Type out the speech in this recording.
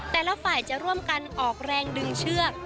แต่ละฝ่ายจะร่วมกันออกแรงดึงเชือก